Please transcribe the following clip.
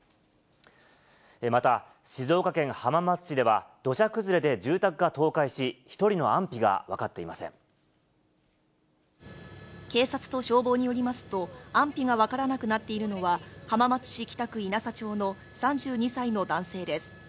また、静岡県浜松市では、土砂崩れで住宅が倒壊し、警察と消防によりますと、安否が分からなくなっているのは、浜松市北区引佐町の３２歳の男性です。